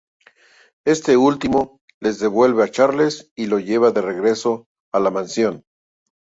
Este último les devuelve a Charles y lo llevan de regreso a la Mansión.